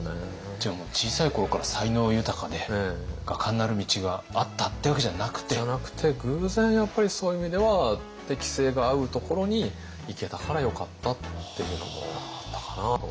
じゃあもう小さい頃から才能豊かで画家になる道があったっていうわけじゃなくて？じゃなくて偶然やっぱりそういう意味では適性が合うところに行けたからよかったっていうのもあったかなと。